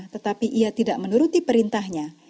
tetapi ia tidak menuruti perintahnya